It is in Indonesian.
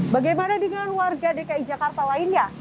bagaimana dengan warga dki jakarta lainnya